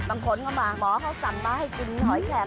บางคนเข้ามาหมอเขาสั่งมาให้กินหอยแขก